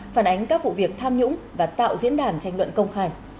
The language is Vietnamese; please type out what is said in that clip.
phản ánh các vụ việc tham nhũng và tạo diễn đàn tranh luận công khai